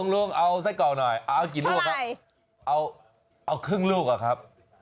ลุงเอาไส้กร่างหน่อยกี่ลูกอย่างนะครับ